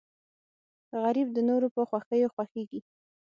غریب د نورو په خوښیو خوښېږي